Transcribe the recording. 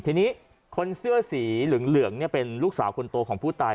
ทีนี้คนเสื้อสีเหลืองเป็นลูกสาวคนโตของผู้ตาย